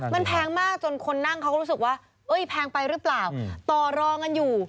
มันแพงมากจนคนนั่งเขาก็รู้สึกว่าแพงไปหรือเปล่าต่อรองกันอยู่